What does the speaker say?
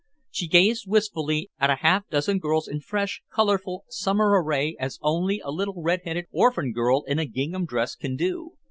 She gazed wistfully at a half dozen girls in fresh, colorful, summer array as only a little red headed orphan girl in a gingham dress can do.